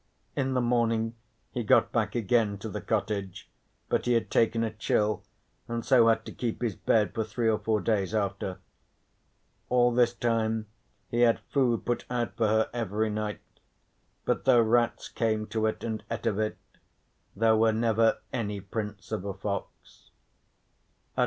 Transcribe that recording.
In the morning he got back again to the cottage but he had taken a chill, and so had to keep his bed for three or four days after. All this time he had food put out for her every night, but though rats came to it and ate of it, there were never any prints of a fox.